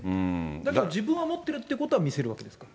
だから、自分は持ってるということは見せるわけですか。